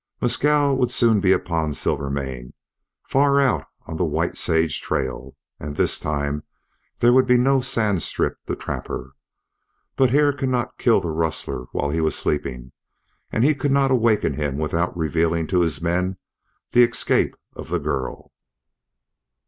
Mescal would soon be upon Silvermane, far out on the White Sage trail, and this time there would be no sand strip to trap her. But Hare could not kill the rustler while he was sleeping; and he could not awaken him without revealing to his men the escape of the girl.